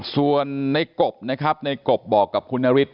ส่วนในกบนะครับในกบบอกกับคุณนฤทธ